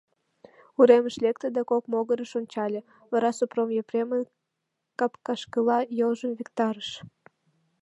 Уремыш лекте да кок могырыш ончале, вара Сопром Епремын капкашкыла йолжым виктарыш.